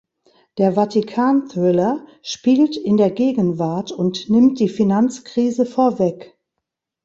Der Vatikan-Thriller spielt in der Gegenwart und nimmt die Finanzkrise vorweg.